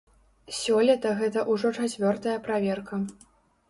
Сёлета гэта ўжо чацвёртая праверка.